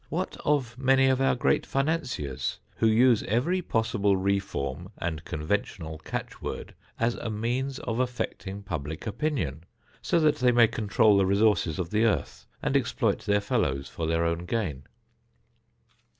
What of many of our great financiers who use every possible reform and conventional catch word as a means of affecting public opinion, so that they may control the resources of the earth and exploit their fellows for their own gain?